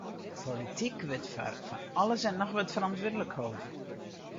De polityk wurdt foar fan alles en noch wat ferantwurdlik holden.